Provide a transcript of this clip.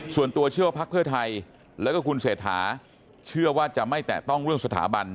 ส่วนตัวเชื่อว่าพักเพื่อไทยแล้วก็คุณเศรษฐาเชื่อว่าจะไม่แตะต้องเรื่องสถาบัน